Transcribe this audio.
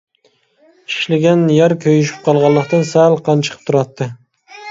چىشلىگەن يەر كۆيۈشۈپ قالغانلىقتىن سەل قان چىقىپ تۇراتتى.